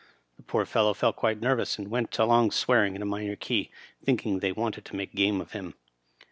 The poor fellow felt quite nervous, and went along swearing in a minor key, thinking they wanted to make game of him.